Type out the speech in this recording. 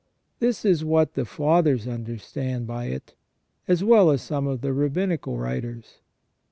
This is what the Fathers understand by it, as well as some of the Rabbinical writers.